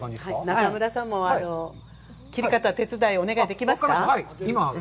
中村さんも切り方、手伝いお願いできますか。